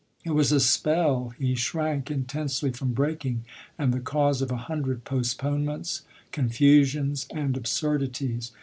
It was a spell he shrank intensely from breaking and the cause of a hundred postponements, confusions, and absurdities.